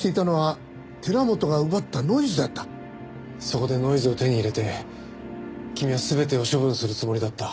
そこでノイズを手に入れて君は全てを処分するつもりだった。